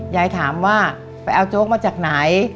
ยายถามว่าไปเอาโจ๊กมาจากไหน